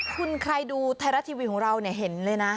คุณใครดูไทยรัฐทีวีของเราเนี่ยเห็นเลยนะ